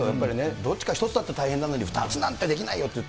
どっちか１つだって大変なのに２つなんて大変だよって。